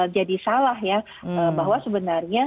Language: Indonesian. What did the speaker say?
salah ya bahwa sebenarnya